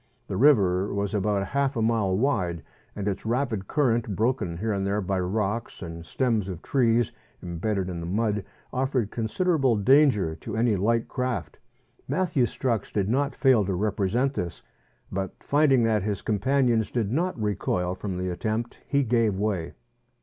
The river was about half a mile wide, and its rapid current, broken here and there by rocks and stems of trees embedded in the mud, offered consider able danger to any light craft. Matthew Strux did not fail to represent this, but finding that his companions did not recoil from the attempt he gave way.